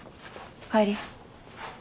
帰り。